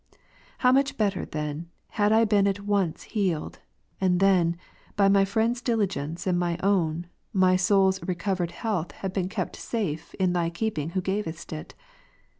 How much better then, had I been at once healed ; and then, by my friends' dili gence and my own, my soul's recovered health had been kept safe in Thy keeping who gavest it.